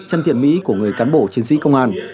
chân thiện mỹ của người cán bộ chiến sĩ công an